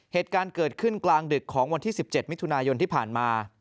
เหตุการณ์เกิดขึ้นกลางดึกของวันที่๑๗มิถุนายนที่ผ่านมา